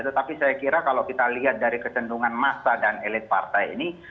tetapi saya kira kalau kita lihat dari kecendungan massa dan elit partai ini